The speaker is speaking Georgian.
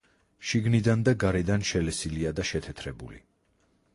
შიგნიდან და გარედან შელესილია და შეთეთრებული.